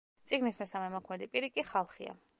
წიგნის მესამე მოქმედი პირი კი ხალხია.